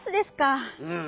うん。